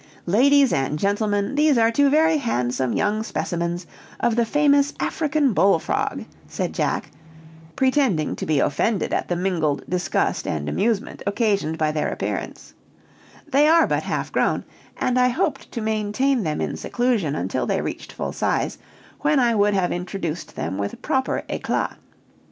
"Ladies and Gentleman, these are two very handsome young specimens of the famous African bullfrog," said Jack, pretending to be offended at the mingled disgust and amusement occasioned by their appearance; "they are but half grown, and I hoped to maintain them in seclusion until they reached full size, when I would have introduced them with proper éclat.